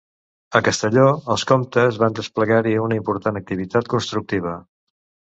A Castelló, els comtes van desplegar-hi una important activitat constructiva.